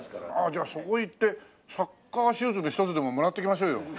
じゃあそこ行ってサッカーシューズの一つでももらってきましょうよ。